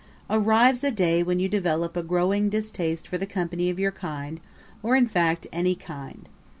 Arrives a day when you develop a growing distaste for the company of your kind, or in fact, any kind.